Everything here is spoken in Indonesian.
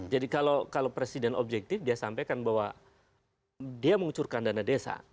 jadi kalau presiden objektif dia sampaikan bahwa dia mengucurkan dana desa